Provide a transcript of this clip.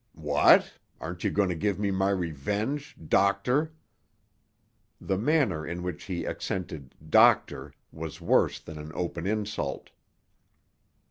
"What? Aren't you going to give me my revenge—doctor?" The manner in which he accented "doctor" was worse than an open insult.